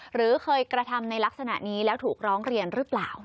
หรือเคยกระทำในลักษณะนี้แล้วถูกร้องเรียนหรือเปล่า